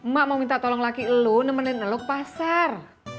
mak mau minta tolong laki lo nemenin lo ke pasar